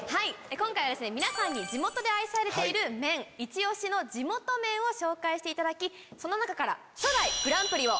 今回は皆さんに地元で愛されてる麺イチオシの地元麺を紹介していただきその中から。